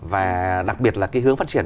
và đặc biệt là cái hướng phát triển